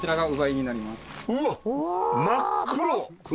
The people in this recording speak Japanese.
うわっ真っ黒。